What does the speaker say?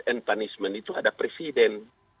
and punishment itu ada presiden